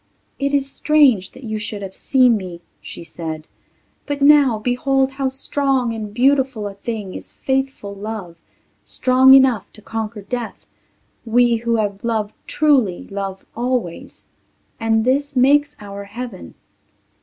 "It is strange that you should have seen me," she said, "but now behold how strong and beautiful a thing is faithful love strong enough to conquer death. We who have loved truly love always and this makes our heaven."